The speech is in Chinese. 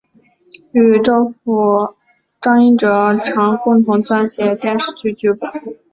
与丈夫张英哲常共同撰写电视剧剧本。